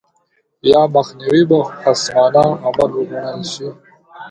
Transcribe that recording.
یا مخنیوی به خصمانه عمل وګڼل شي.